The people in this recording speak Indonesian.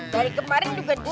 dari kemarin juga disini